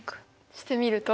してみると？